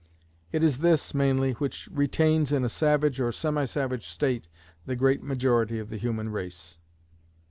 It is this, mainly, which retains in a savage or semi savage state the great majority of the human race.